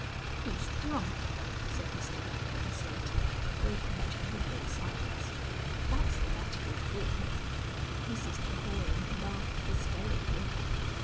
"He's drunk!" said Mr Rathbone Slater, breaking a terrific silence. "That's the matter with him." Mrs Jehoram laughed hysterically.